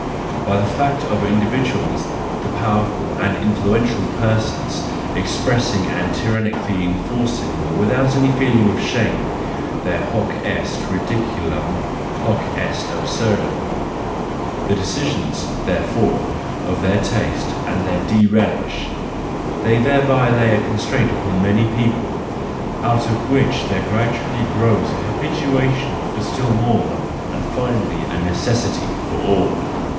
By the fact of individuals, the powerful THE JOYFUL WISDOM, I 77 and influential persons, expressing and tyrannically enforcing without any feeling of shame, their hoc est ridiculum, hoc est absurdum; the decisions, there¬ fore, of their taste and their disrelish:—they thereby lay a constraint upon many people, out of which there gradually grows a habituation for still more, and finally a necessity for all.